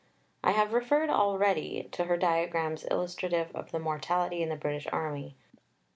I have referred already (p. 352) to her diagrams illustrative of the mortality in the British Army.